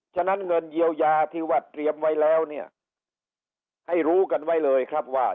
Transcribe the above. ฉะนั้นเงินเยียวยาที่วัดเตรียมไว้แล้วเนี่ยให้รู้กันไว้เลยครับว่า